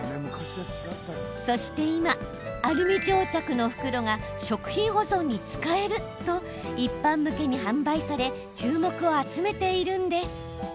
そして今、アルミ蒸着の袋が食品保存に使える！と一般向けに販売され注目を集めているんです。